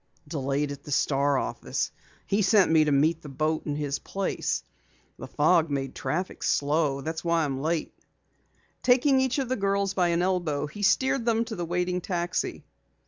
"Delayed at the Star office. He sent me to meet the boat in his place. The fog made traffic slow. That's why I'm late." Taking each of the girls by an elbow, he steered them to the waiting taxi.